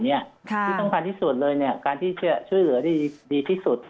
ที่สำคัญที่สุดเลยการที่ช่วยเหลือได้ดีที่สุด